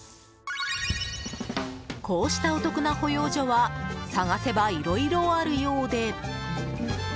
こうしたお得な保養所は探せばいろいろあるようで。